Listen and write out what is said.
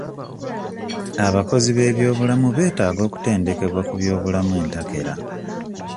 Abakozi b'ebyobulamu beetaga okutendekebwa ku by'obulamu entakera.